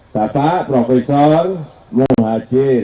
bapak profesor mohajir